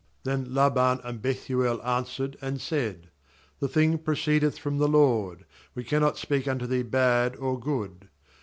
50Then Laban and Bethuel answered and said: The thing proceedeth from the LORD; we cannot speak unto thee bad or good.